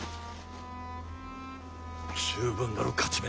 十分なる勝ち目